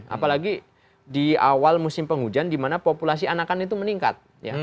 apalagi di awal musim penghujan di mana populasi anakan itu meningkat